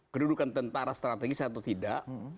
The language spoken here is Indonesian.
kedudukan tentara strategis atau tidak